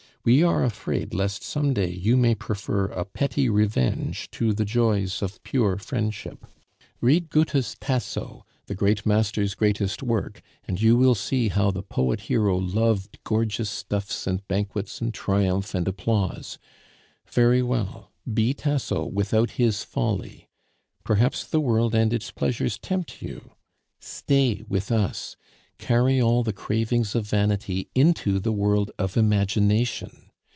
We are afraid lest some day you may prefer a petty revenge to the joys of pure friendship. Read Goethe's Tasso, the great master's greatest work, and you will see how the poet hero loved gorgeous stuffs and banquets and triumph and applause. Very well, be Tasso without his folly. Perhaps the world and its pleasures tempt you? Stay with us. Carry all the cravings of vanity into the world of imagination.